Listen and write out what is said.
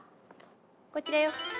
こちらよ。